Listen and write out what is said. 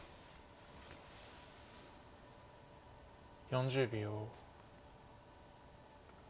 ４０秒。